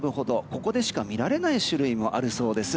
ここでしか見られない種類もあるそうです。